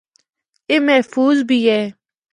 اے محفوظ بھی اے۔